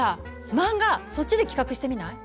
漫画そっちで企画してみない？